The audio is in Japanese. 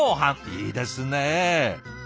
いいですね。